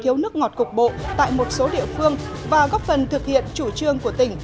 thiếu nước ngọt cục bộ tại một số địa phương và góp phần thực hiện chủ trương của tỉnh